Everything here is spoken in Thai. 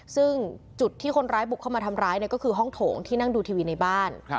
ซึ่งจุดที่คนร้ายบุกเข้ามาทำร้ายก็คือห้องโถงที่นั่งดูทีวีในบ้าน